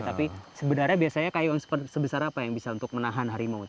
tapi sebenarnya biasanya kayu sebesar apa yang bisa untuk menahan harimau